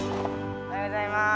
おはようございます。